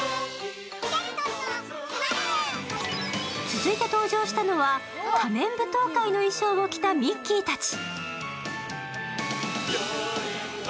続いて登場したのは、仮面舞踏会の衣装を着たミッキーたち。